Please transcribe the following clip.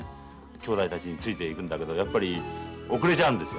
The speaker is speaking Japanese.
兄弟たちについていくんだけどやっぱり後れちゃうんですよね。